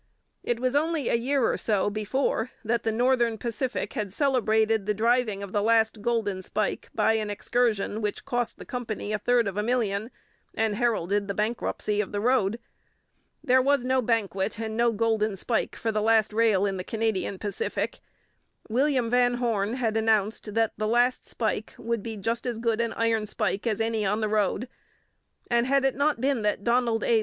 It was only a year or so before that the Northern Pacific had celebrated the driving of the last golden spike by an excursion which cost the company a third of a million, and heralded the bankruptcy of the road. There was no banquet and no golden spike for the last rail in the Canadian Pacific. William Van Horne had announced that 'the last spike would be just as good an iron spike as any on the road,' and had it not been that Donald A.